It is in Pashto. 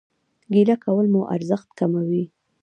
ګيله کول مو ارزښت کموي